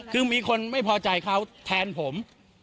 คือมีคนไม่พอใจเขาแทนผม